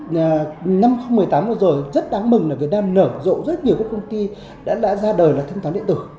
năm hai nghìn một mươi tám vừa rồi rất đáng mừng là việt nam nở rộng rất nhiều các công ty đã ra đời là tham gia điện tử